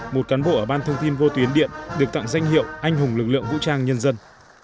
một cán bộ ở ban thông tin vô tuyến điện được tặng danh hiệu anh hùng lực lượng vũ trang nhân dân